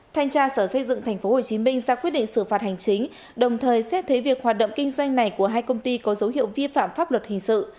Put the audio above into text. thanh tra sở xây dựng tp hcm ra quyết định xử phạt hành chính đồng thời xét thế việc hoạt động kinh doanh này của hai công ty có dấu hiệu vi phạm pháp luật hình sự